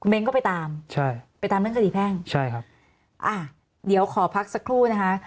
เม็คก็ไปตามใช่เดี๋ยวขอพักสักครู่นะฮะ